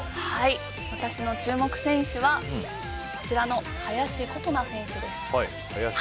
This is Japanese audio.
私の注目選手は林琴奈選手です。